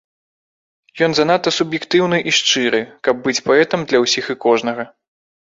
Ён занадта суб'ектыўны і шчыры, каб быць паэтам для ўсіх і кожнага.